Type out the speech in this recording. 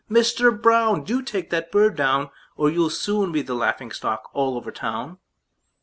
Mister Brown! Do take that bird down, Or you'll soon be the laughing stock all over town!"